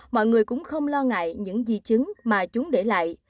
mọi người cũng không lo ngại những di chứng mà chúng để lại